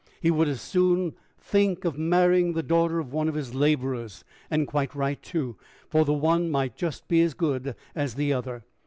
He would as soon think of marrying the daughter of one of his laborers and quite right, too for the one might just be as good as the other."